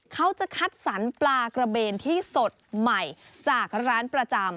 เขาจะคัดสรรปลากระเบนที่สดใหม่จากร้านประจำ